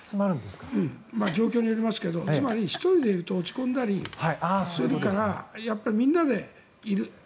状況によりますけどつまり、１人でいると落ち込んだりするからやっぱり、みんなでいる。